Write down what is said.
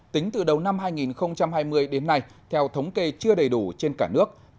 tính từ đầu năm hai nghìn hai mươi đến nay theo thống kê chưa đầy đủ trên cả nước